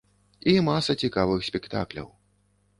І маса цікавых спектакляў.